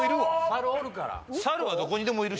猿はどこにでもいるし。